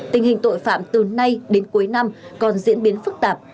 tình hình tội phạm từ nay đến cuối năm còn diễn biến phức tạp